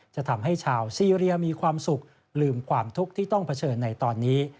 จะทำให้ชาวซีเรียมีความสุขลืมความทุกข์ที่ต้องเผชิญในตอนนี้